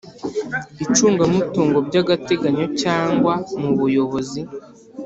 icungamutungo by agateganyo cyangwa mu buyobozi